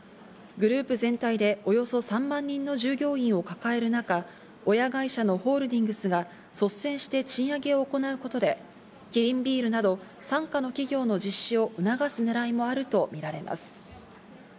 グループ全体でおよそ３万人の従業員を抱える中、親会社のホールディングスが率先して賃上げを行うことで、キリンビールなど傘下の企業の実施を促すねらいもあるとみられます。